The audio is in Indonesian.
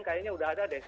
kayaknya sudah ada deh